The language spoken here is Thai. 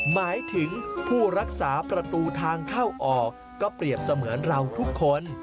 หมายถึงผู้รักษาประตูทางเข้าออกก็เปรียบเสมือนเราทุกคน